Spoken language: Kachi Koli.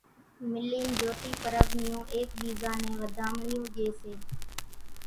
ملين جھوتي پرٻ نيون ايڪ ٻيزا نين وڌامڻيون ڄي سي۔